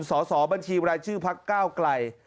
สอบบัญชีรายชื่อพักก้าวไกล